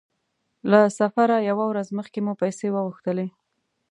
له سفره يوه ورځ مخکې مو پیسې وغوښتلې.